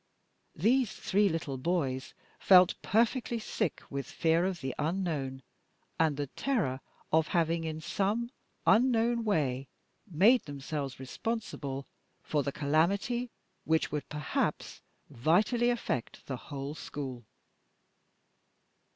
These three little boys felt perfectly sick with fear of the unknown and the terror of having in some unknown way made themselves responsible for the calamity which would perhaps vitally affect the whole school.